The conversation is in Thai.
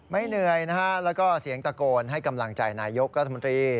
ไม่เหนื่อยนะฮะแล้วก็เสียงตะโกนให้กำลังใจนายกรัฐมนตรี